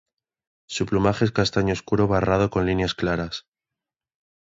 Su plumaje es castaño oscuro barrado con líneas claras.